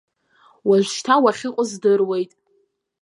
Уажәшьҭа уахьыҟоу здыруеит.